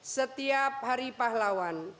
setiap hari pahlawan